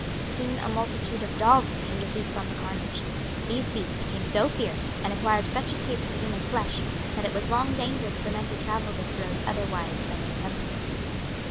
Soon a multitude of dogs came to feast on the carnage. These beasts became so fierce, and acquired such a taste for human flesh, that it was long dangerous for men to travel this road otherwise than in companies.